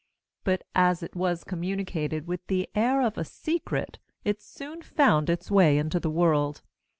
But as it was communicated with the air of a secret, it soon found its way into the world.